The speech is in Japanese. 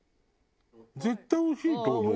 絶対おいしいと思うわ。